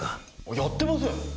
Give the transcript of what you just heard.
やってません！